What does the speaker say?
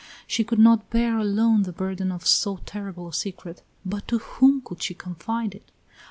She could not bear alone the burden of so terrible a secret, but to whom could she confide it?